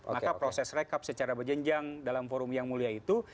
maka proses rekap secara berjenjang dalam forum yang mulia itu